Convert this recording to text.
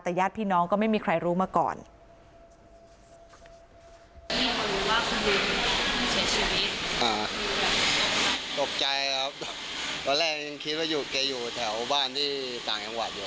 แต่ญาติพี่น้องก็ไม่มีใครรู้มาก่อน